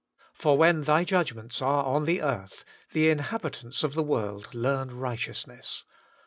for when Thy judgments are on the earth, the inhabitants of the world learn righteousness.'